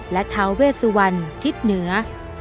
และท้าเวสวรรณทิศเหนือ